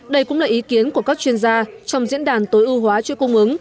đây cũng là ý kiến của các chuyên gia trong diễn đàn tối ưu hóa chuỗi cung ứng